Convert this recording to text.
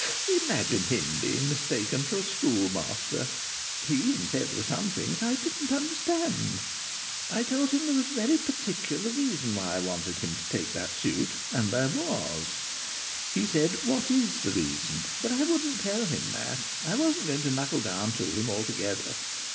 Imagine him being mistaken for a schoolmaster! He even said there were some things I didn't understand! I told him there was a very particular reason why I wanted him to take that suit. And there was. He said: "What is the reason?" But I wouldn't tell him that. I wasn't going to knuckle down to him altogether.